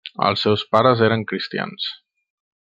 Els seus pares eren cristians.